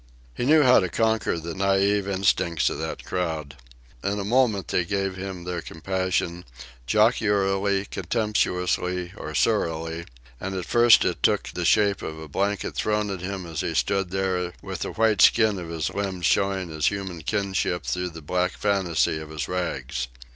He knew how to conquer the naïve instincts of that crowd. In a moment they gave him their compassion, jocularly, contemptuously, or surlily; and at first it took the shape of a blanket thrown at him as he stood there with the white skin of his limbs showing his human kinship through the black fantasy of his rags.